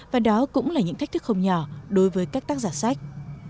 và đó cũng là những thách thức không nhỏ đối với các tác giả sách